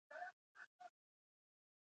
قلم د ټولنیز بدلون تمثیلوي